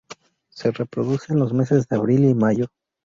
Se reproduce en los meses de abril y mayo.